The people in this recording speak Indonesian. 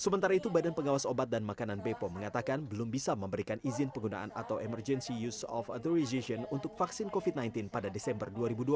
sementara itu badan pengawas obat dan makanan bepom mengatakan belum bisa memberikan izin penggunaan atau emergency use of authorization untuk vaksin covid sembilan belas pada desember dua ribu dua puluh